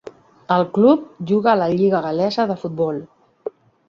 El club juga a la lliga gal·lesa de futbol.